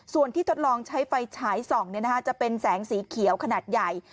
ส่วนที่ทดลองใช้ไฟฉายส่องจะเป็นแสงสีเขียวขนาดใหญ่